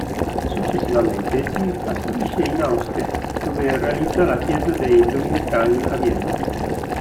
Successivamente si trasferisce in Austria, dove realizza la chiesa dei Domenicani a Vienna.